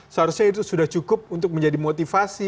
seharusnya itu sudah cukup untuk menjadi motivasi